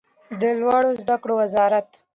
د لوړو زده کړو وزارت